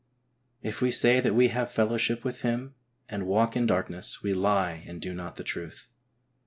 If we say that we have fellowship with Him and walk in darkness, we lie and do not the truth.